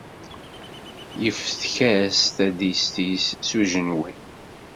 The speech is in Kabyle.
Yeftek-as tadist-is s ujenwi.